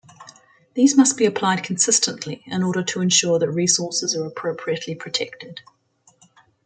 These must be applied consistently in order to ensure that resources are appropriately protected.